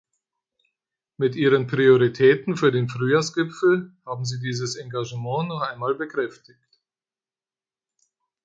Mit Ihren Prioritäten für den Frühjahrsgipfel haben Sie dieses Engagement noch einmal bekräftigt.